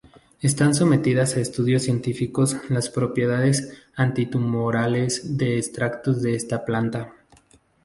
Están sometidas a estudios científicos las propiedades antitumorales de extractos de esta planta.